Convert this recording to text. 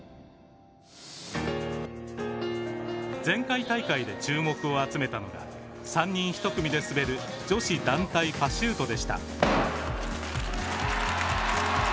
前回大会で注目を集めたのが３人一組で滑る女子団体パシュートでした。